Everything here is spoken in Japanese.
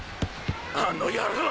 あの野郎！